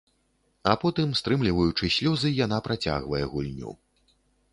А потым, стрымліваючы слёзы, яна працягвае гульню.